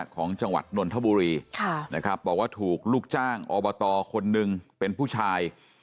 ของจังหวัดนนทบุรีนะครับบอกว่าถูกลูกจ้างอบตคนหนึ่งเป็นผู้ชาย